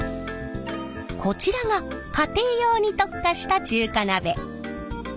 こちらが家庭用に特化した中華鍋。